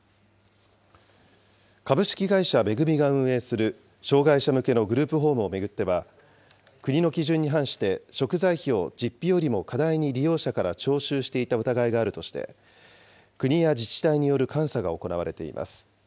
株式会社恵が運営する障害者向けのグループホームを巡っては、国の基準に反して食材費を実費よりも過大に利用者から徴収していた疑いがあるとして、国や自治体による監査が行われています。